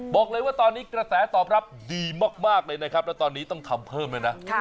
บอกเลยว่าตอนนี้กระแสตอบรับดีมากเลยนะครับแล้วตอนนี้ต้องทำเพิ่มเลยนะ